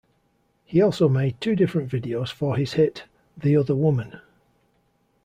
He also made two different videos for his hit "The Other Woman".